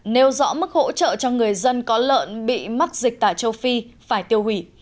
nêu rõ mức hỗ trợ cho người dân có lợn bị mắc dịch tả châu phi phải tiêu hủy